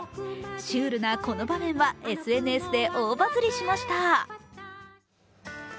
シュールなこの場面はＳＮＳで大バズりしました。